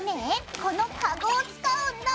このカゴを使うんだ！